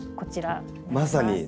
まさに。